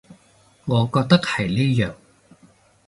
我覺得係呢樣